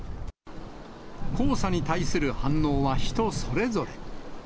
黄砂に対する反応は人それぞれ。